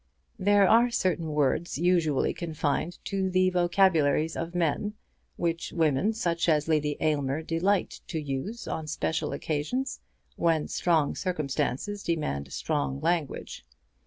There are certain words usually confined to the vocabularies of men, which women such as Lady Aylmer delight to use on special occasions, when strong circumstances demand strong language.